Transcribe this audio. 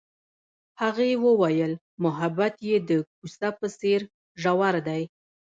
هغې وویل محبت یې د کوڅه په څېر ژور دی.